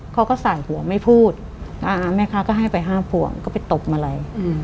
เขาก็สายหัวไม่พูดแม่ค้าก็ให้ไปห้ามพวงก็ไปตบมาลัย